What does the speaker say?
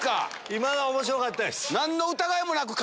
今のは面白かったです。